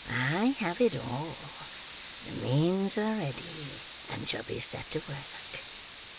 I have it all. The means are ready, and shall be set to work.